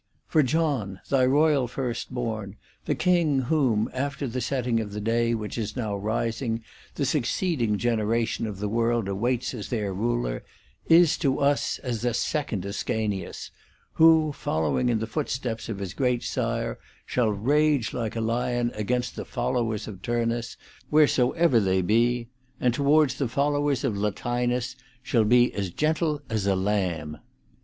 For John, thy royal first born, the king, whom, after the setting of the day which is now rising, the succeeding generation of the world awaits as their ruler, is to us as a second Ascanius, who, following in the foot steps of his great sire, shall rage like a lion against the followers of Turnus wheresoever they be, and towards the followers of Latinus shall be as gentle as a lamb.